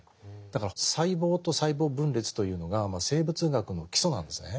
だから細胞と細胞分裂というのが生物学の基礎なんですね。